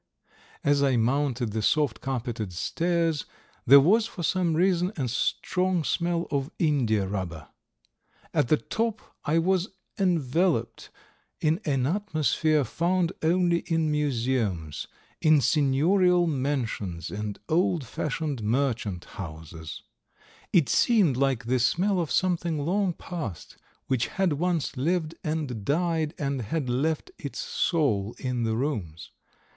As I mounted the soft carpeted stairs there was, for some reason, a strong smell of india rubber. At the top I was enveloped in an atmosphere found only in museums, in signorial mansions and old fashioned merchant houses; it seemed like the smell of something long past, which had once lived and died and had left its soul in the rooms.